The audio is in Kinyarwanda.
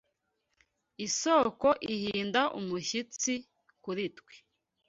Isoko ihinda umushyitsi kuri twe